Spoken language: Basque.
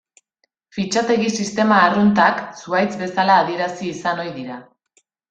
Fitxategi sistema arruntak zuhaitz bezala adierazi izan ohi dira.